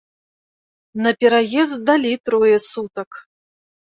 На пераезд далі трое сутак.